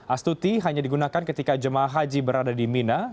astuti hanya digunakan ketika jemaah haji berada di mina